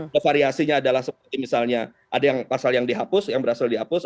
kevariasinya adalah seperti misalnya ada yang pasal yang dihapus yang berhasil dihapus